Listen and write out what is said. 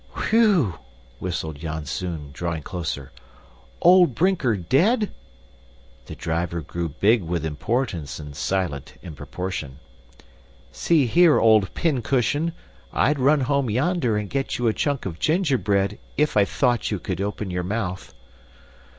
"Whew!" whistled Janzoon, drawing closer. "Old Brinker dead?" The driver grew big with importance and silent in proportion. "See here, old pincushion, I'd run home yonder and get you a chunk of gingerbread if I thought you could open your mouth."